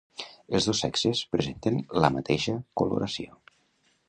Els dos sexes presenten la mateixa coloració.